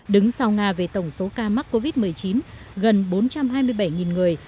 đứng sau nga về tổng số ca mắc covid một mươi chín gần bốn trăm hai mươi bảy người